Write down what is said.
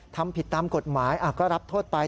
ทำผิดตามกฎหมายก็รับโทษไป